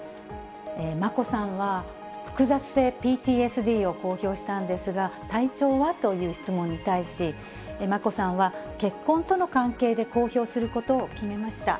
眞子さんは、複雑性ＰＴＳＤを公表したんですが、体調はという質問に対し、眞子さんは、結婚との関係で公表することを決めました。